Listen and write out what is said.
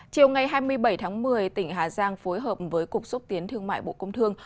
chiều ngày hai mươi bảy tháng một mươi tỉnh hà giang phối hợp với cục xúc tiến thương mại bộ công thương